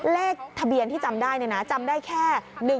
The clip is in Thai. เลขทะเบียนที่จำได้จำได้แค่